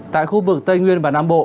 tại khu vực tây nguyên và nam bộ